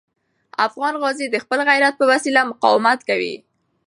افغان غازي د خپل غیرت په وسیله مقاومت کوي.